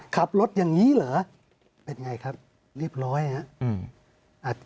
ขับรถอย่างนี้เหรอเป็นไงครับเรียบร้อยครับ